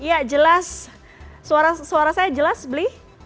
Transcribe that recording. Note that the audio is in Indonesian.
iya jelas suara saya jelas bli